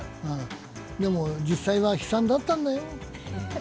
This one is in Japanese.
でも、実際は悲惨だったんだよ。